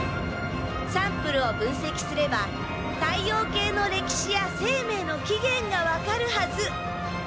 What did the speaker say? サンプルを分せきすれば太陽系の歴史や生命の起源がわかるはず。